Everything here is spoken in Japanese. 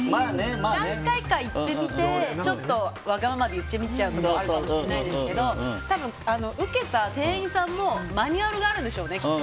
何回か行ってみてちょっとわがままでっていうのはあるかもしれないですけど多分、受けた店員さんもマニュアルがあるんでしょうね。